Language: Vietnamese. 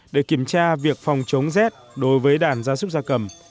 để kiểm tra việc phòng chống rét đối với đàn gia súc gia cầm